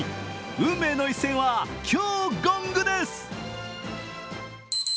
運命の一戦は今日ゴングです。